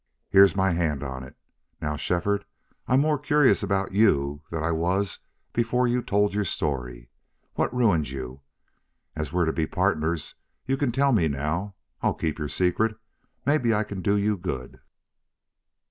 Here's my hand on it.... Now, Shefford, I'm more curious about you than I was before you told your story. What ruined you? As we're to be partners, you can tell me now. I'll keep your secret. Maybe I can do you good."